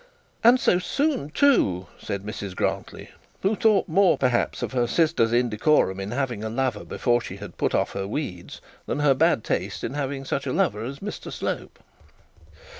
'And so soon, too,' said Mrs Grantly, who thought more, perhaps, of her sister's indecorum in having a lover before she had put off her weeds, than her bad taste in having such a lover as Mr Slope.